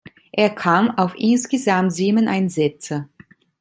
Er kam auf insgesamt sieben Einsätze.